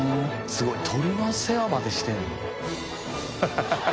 すごい鳥の世話までしてるの？